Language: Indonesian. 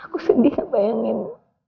aku sedih kebayangin